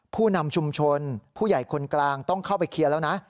ผู้นำชุมชนผู้ใหญ่คนกลางต้องเข้าไปเคลียร์แล้วนะ